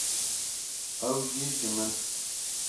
ew jî ji min.